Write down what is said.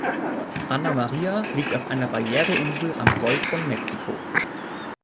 Anna Maria liegt auf einer Barriereinsel am Golf von Mexiko.